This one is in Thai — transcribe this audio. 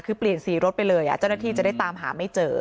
คือเปลี่ยนสีรถไปเลยเจ้าหน้าที่จะได้ตามหาไม่เจอ